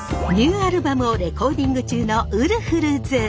ニューアルバムをレコーディング中のウルフルズ。